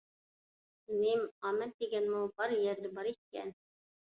ئىنىم، ئامەت دېگەنمۇ بار يەردە بار ئىكەن.